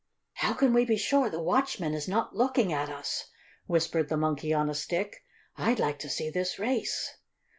"How can we be sure the watchman is not looking at us?" whispered the Monkey on a Stick. "I'd like to see this race."